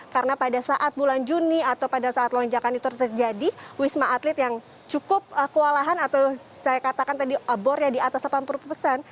karena pada saat bulan juni atau pada saat lonjakan itu terjadi wisma atlet yang cukup kewalahan atau saya katakan tadi bornya di atas delapan puluh persen